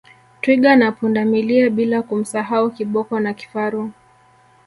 Twiga na Pundamilia bila kumsahau Kiboko na kifaru